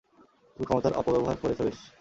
তুমি ক্ষমতার অপব্যবহার করেছ বেশ।